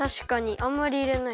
あんまりいれないかも。